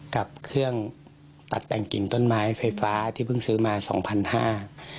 กับเครื่องตัดแต่งกิ่งต้นไม้ไฟฟ้าที่เพิ่งซื้อมาสองพันห้า